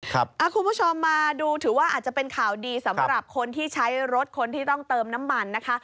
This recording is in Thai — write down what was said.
คุณผู้ชมมาดูถือว่าอาจจะเป็นข่าวดีสำหรับคนที่ใช้รถคนที่ต้องเติมน้ำมันนะคะ